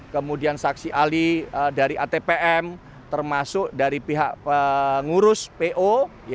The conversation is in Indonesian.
kemudian saksi ahli dari atpm termasuk dari pihak pengurus po